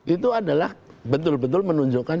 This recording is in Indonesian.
itu adalah betul betul menunjukkan